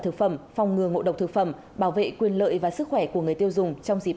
thực phẩm phòng ngừa ngộ độc thực phẩm bảo vệ quyền lợi và sức khỏe của người tiêu dùng trong dịp